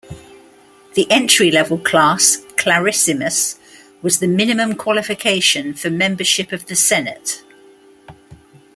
The entry level class, "clarissimus", was the minimum qualification for membership of the Senate.